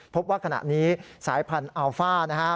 พบว่าขณะนี้สายพันธุ์อัลฟ่านะฮะ